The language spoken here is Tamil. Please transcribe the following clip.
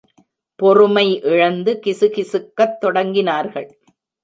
பொறுமை இழந்து, கிசுகிசுக்கத் தொடங்கினார்கள்.